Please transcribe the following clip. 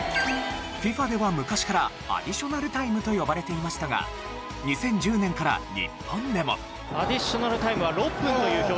ＦＩＦＡでは昔からアディショナルタイムと呼ばれていましたが２０１０年から日本でも。